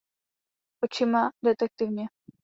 Očima, detektivně.